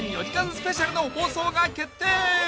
スペシャルの放送が決定！］